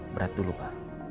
berat dulu pa